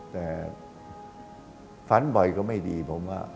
แต่ฝันบ่อยก็ไม่ดีผมว่า